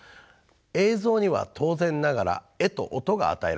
映像には当然ながら絵と音が与えられます。